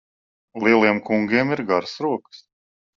Lieliem kungiem ir garas rokas.